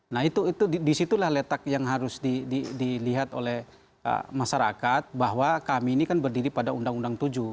nah itu disitulah letak yang harus dilihat oleh masyarakat bahwa kami ini kan berdiri pada undang undang tujuh